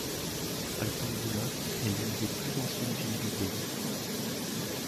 Altanboulag est l'une des plus anciennes villes du pays.